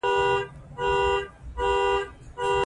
خو د ګلو غونچه د بورا پر وړاندې منفعل